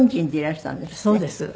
そうです。